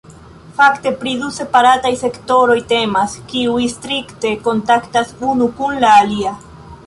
Fakte, pri du separataj sektoroj temas, kiuj strikte kontaktas unu kun la alia.